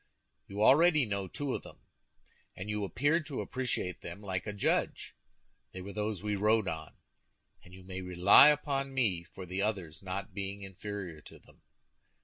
You already know two of them, and you appeared to appreciate them like a judge. They were those we rode on; and you may rely upon me for the others not being inferior to them.